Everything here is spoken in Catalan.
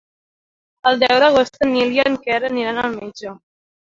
El deu d'agost en Nil i en Quer aniran al metge.